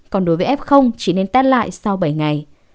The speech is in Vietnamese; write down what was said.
còn đối với f chỉ nên test lại sau bảy ngày